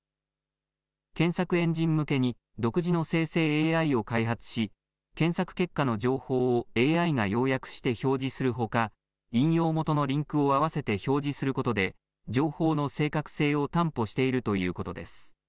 検索エンジン向けに独自の生成ＡＩを開発し検索結果の情報をＡＩが要約して表示するほか、引用元のリンクを合わせて表示することで情報の正確性を担保しているということです。